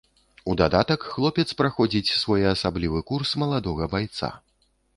У дадатак хлопец праходзіць своеасаблівы курс маладога байца.